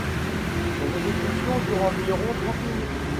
Son exécution dure environ trente minutes.